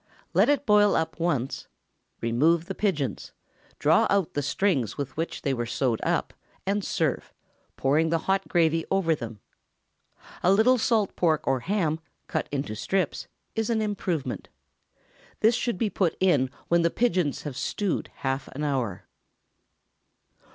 Let it boil up once; remove the pigeons, draw out the strings with which they were sewed up, and serve, pouring the hot gravy over them. A little salt pork or ham, cut into strips, is an improvement. This should be put in when the pigeons have stewed half an hour.